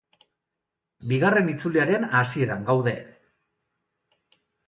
Bigarren itzuliaren hasieran gaude.